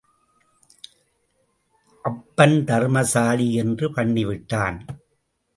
அப்பன் தர்மசாலி என்று பண்ணி விட்டான்.